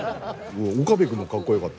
岡部君もかっこよかった。